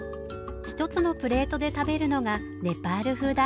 １つのプレートで食べるのがネパール風だ。